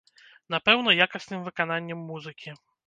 Напэўна, якасным выкананнем музыкі.